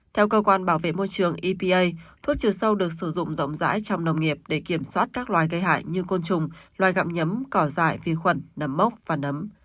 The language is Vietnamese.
theo cơ quan bảo vệ môi trường epa thuốc trừ sâu được sử dụng rộng rãi trong nông nghiệp để kiểm soát các loài gây hại như côn trùng loài gặm nhấm cỏ dại vi khuẩn nấm mốc và nấm